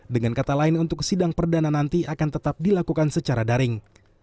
dengan kata lain untuk sidang perdana nanti akan tetap dilakukan secara daring